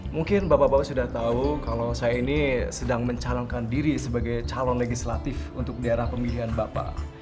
mungkin bapak bapak sudah tahu kalau saya ini sedang mencalonkan diri sebagai calon legislatif untuk daerah pemilihan bapak